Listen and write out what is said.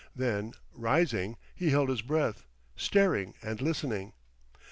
Then rising, he held his breath, staring and listening.